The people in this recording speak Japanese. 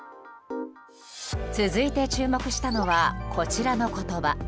続いて注目したのはこちらの言葉。